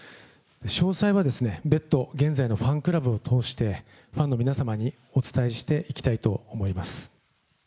詳細は別途、現在のファンクラブを通して、ファンの皆様にお伝えしていきたいと思います。